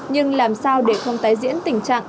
nhưng làm sao để không tái diễn tình trạng